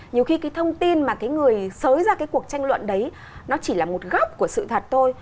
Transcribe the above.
nhiều khi thông tin mà người sới ra cuộc tranh luận đấy chỉ là một góc của sự thật thôi